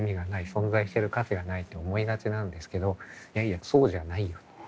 存在してる価値がない」と思いがちなんですけど「いやいやそうじゃないよ」と。